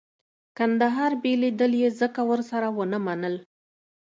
کندهار بېلېدل یې ځکه ورسره ونه منل.